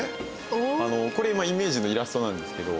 これ今イメージのイラストなんですけど。